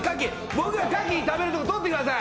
僕がカキ食べるとこ撮ってください！